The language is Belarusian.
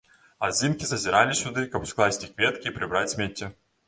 Адзінкі зазіралі сюды, каб ускласці кветкі і прыбраць смецце.